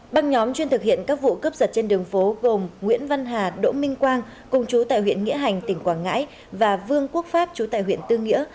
băng nhóm chuyên thực hiện các vụ cấp giật trên đường phố gồm nguyễn văn hà đỗ minh quang cùng chú tại huyện nghĩa hành tỉnh quảng ngãi và vương quốc pháp chú tại huyện tư nghĩa